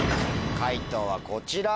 解答はこちら。